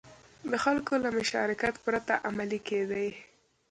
د خلکو له مشارکت پرته عملي کېدې.